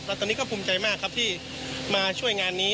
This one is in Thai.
แล้วตอนนี้ก็ภูมิใจมากครับที่มาช่วยงานนี้